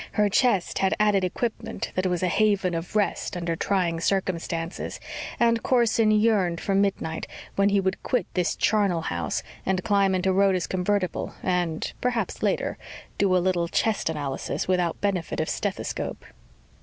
Her chest had added equipment that was a haven of rest under trying circumstances, and Corson yearned for midnight when he would quit this charnel house and climb into Rhoda's convertible and perhaps later do a little chest analysis without benefit of stethoscope.